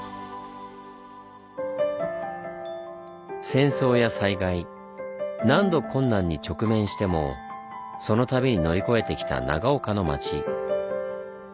戦争や災害何度困難に直面してもその度に乗り越えてきた長岡の町。